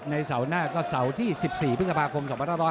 เสาร์หน้าก็เสาร์ที่๑๔พฤษภาคม๒๕๖๐